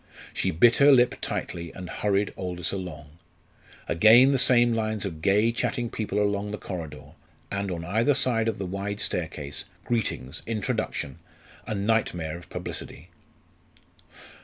She bit her lip tightly and hurried Aldous along. Again the same lines of gay, chatting people along the corridor, and on either side of the wide staircase greetings, introduction a nightmare of publicity.